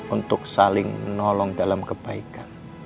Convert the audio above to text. untuk saling menolong dalam kebaikan